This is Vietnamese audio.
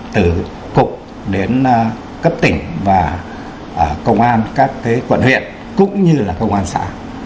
từ cục đến cấp tỉnh và công an các quận huyện cũng như là công an xã